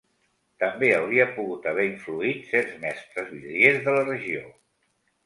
També hauria pogut haver influït certs mestres vidriers de la regió.